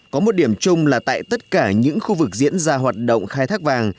có một điểm chung là tại tất cả những khu vực diễn ra hoạt động khai thác vàng